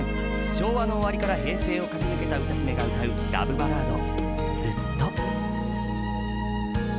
昭和の終わりから平成を駆け抜けた歌姫が歌うラブバラード。